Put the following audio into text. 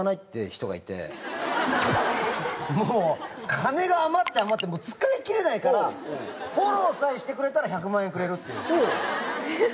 金が余って余って使いきれないからフォローさえしてくれたら１００万円くれるっていう。